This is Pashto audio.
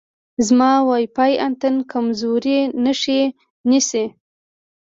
زما وای فای انتن کمزورې نښې نیسي.